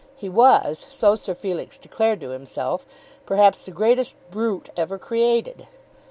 He was, so Sir Felix declared to himself, perhaps the greatest brute ever created.